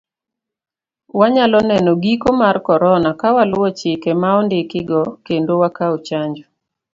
Wanyalo neno giko mar korona kawaluwo chike ma ondiki go kendo wakawo chanjo .